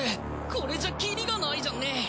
これじゃキリがないじゃんね。